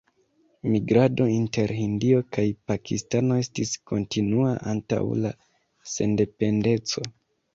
Migrado inter Hindio kaj Pakistano estis kontinua antaŭ la sendependeco.